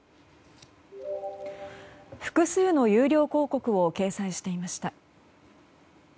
複数の有料広告を掲載していました。